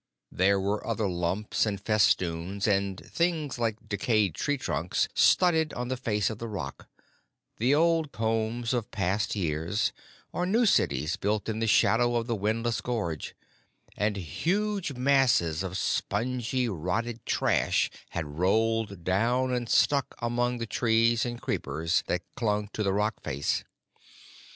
There were other lumps and festoons and things like decayed tree trunks studded on the face of the rock, the old combs of past years, or new cities built in the shadow of the windless gorge, and huge masses of spongy, rotten trash had rolled down and stuck among the trees and creepers that clung to the rock face.